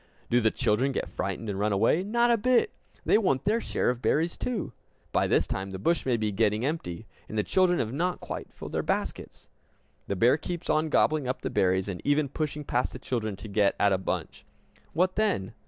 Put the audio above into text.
Do the children get frightened and run away? Not a bit! They want their share of the berries, too! By this time the bush may be getting empty, and the children have not quite filled their baskets. The bear keeps on gobbling up the berries, and even pushing past the children to get at a bunch. What then?